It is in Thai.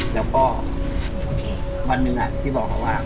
แล้วก็วันหนึ่งที่บอกเขาว่า